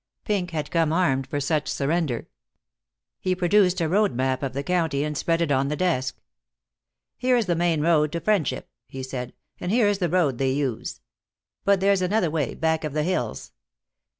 Pink had come armed for such surrender. He produced a road map of the county and spread it on the desk. "Here's the main road to Friendship," he said, "and here's the road they use. But there's another way, back of the hills.